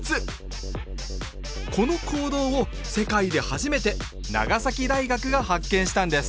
この行動を世界で初めて長崎大学が発見したんです